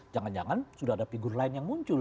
jangan jangan sudah ada figur lain yang muncul